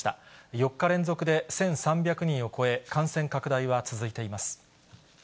４日連続で１３００人を超え、感染拡大は続いています。